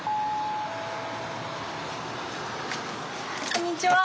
こんにちは。